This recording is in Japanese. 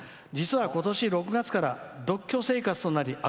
実は、ことし６月から独居生活となり」。